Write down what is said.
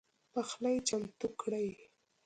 پخلی چمتو کړئ